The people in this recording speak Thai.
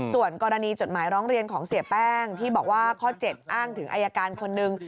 ส่วนกรณีจดหมายร้องเรียนของเสียแป้งที่บอกว่าข้อ๗อ้างถึงอายการคนหนึ่ง